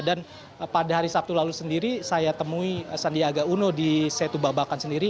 dan pada hari sabtu lalu sendiri saya temui sandiaga uno di setu babakan sendiri